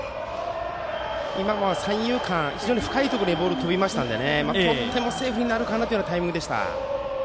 今のは三遊間の深いところにボールが飛びましたのでとってもセーフになるかなというタイミングでした。